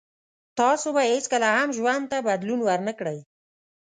تاسو به هیڅکله هم ژوند ته بدلون ور نه کړی